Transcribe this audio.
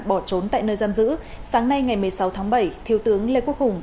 bỏ trốn tại nơi giam giữ sáng nay ngày một mươi sáu tháng bảy thiếu tướng lê quốc hùng